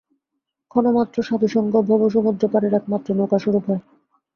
ক্ষণমাত্র সাধুসঙ্গ ভবসমুদ্রপারের একমাত্র নৌকাস্বরূপ হয়।